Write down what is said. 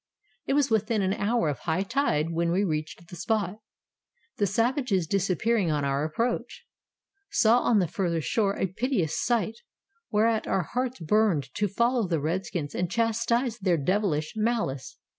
It was within an hour of high tide when we reached the spot, the savages disappearing on our approach. Saw on the further shore a piteous sight, whereat our hearts burned to follow the redskins and chastise their devilish malice.